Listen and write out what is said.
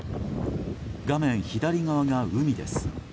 画面左側が海です。